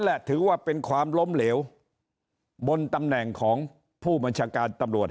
แหละถือว่าเป็นความล้มเหลวบนตำแหน่งของผู้บัญชาการตำรวจ